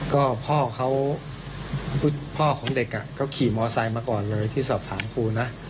ก็พ่อเขาพ่อของเด็กก็ขี่มอไซค์มาก่อนเลยที่สอบถามครูนะ